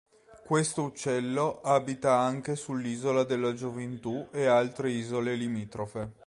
Questo uccello abita anche sull'isola della Gioventù e altre isole limitrofe.